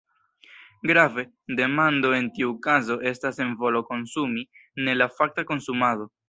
Grave: demando, en tiu kazo, estas volo konsumi, ne la fakta konsumado.